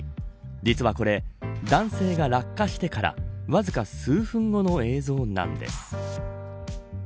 実はこれ、男性が落下してからわずか数分後の映像なんです。